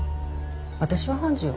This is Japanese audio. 私は判事よ。